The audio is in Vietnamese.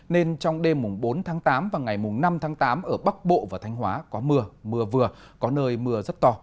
nên trong đêm bốn tháng tám và ngày năm tháng tám ở bắc bộ và thanh hóa có mưa mưa vừa có nơi mưa rất to